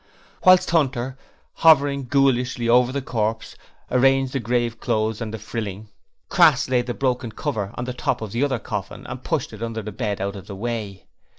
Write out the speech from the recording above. Whilst Hunter hovering ghoulishly over the corpse arranged the grave clothes and the frilling, Crass laid the broken cover on the top of the other coffin and pushed it under the bed out of the way.